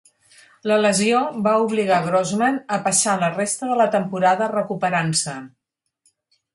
La lesió va obligar Grossman a passar la resta de la temporada recuperant-se.